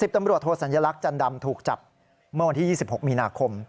ตำรวจโทษสัญลักษณ์จันดำถูกจับเมื่อวันที่๒๖มีนาคม